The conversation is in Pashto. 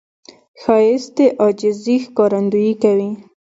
ښایست د عاجزي ښکارندویي کوي